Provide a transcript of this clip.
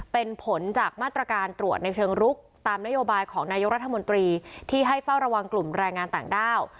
เป็นผลจากมาตรการตรวจในเชิงรุกตามนโยบายของนายกรัฐมนตรีที่ให้เฝ้าระวังกลุ่มแรงงานต่างด้าว